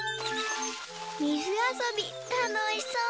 みずあそびたのしそう！